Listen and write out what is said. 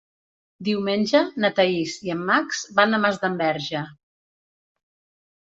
Diumenge na Thaís i en Max van a Masdenverge.